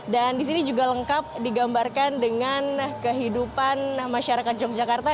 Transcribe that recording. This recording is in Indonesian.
di sini juga lengkap digambarkan dengan kehidupan masyarakat yogyakarta